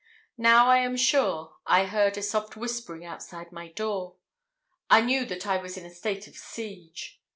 Now, I am sure, I heard a soft whispering outside my door. I knew that I was in a state of siege!